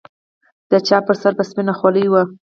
د چا پر سر به سپينه خولۍ وه.